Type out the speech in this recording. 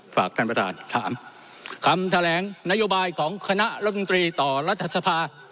ฝากท่านประธานถามคำแถลงนโยบายของคณะรัฐมนตรีต่อรัฐสภา